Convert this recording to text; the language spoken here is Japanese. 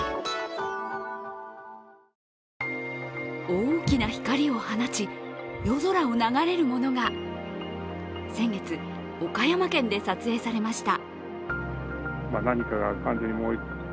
大きな光を放ち、夜空を流れるものが先月、岡山県で撮影されました。